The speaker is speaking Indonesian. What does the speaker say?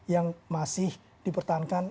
yang masih dipertahankan